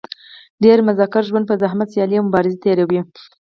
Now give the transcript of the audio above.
ډېری مذکر ژوند په زحمت سیالي او مبازره تېروي.